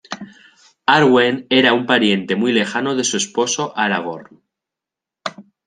Arwen era un pariente muy lejano de su esposo Aragorn.